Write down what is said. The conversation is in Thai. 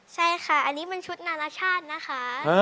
ใช่ค่ะอันนี้เป็นชุดนานาชาตินะคะ